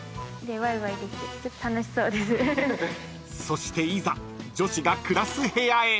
［そしていざ女子が暮らす部屋へ］